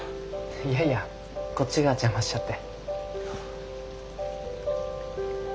いやいやこっちが邪魔しちゃって。